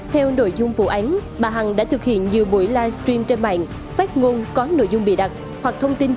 theo nội dung vụ án bà hằng đã thực hiện nhiều bộ